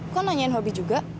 kok nanyain hobi juga